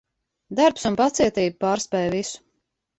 Darbs un pacietība pārspēj visu.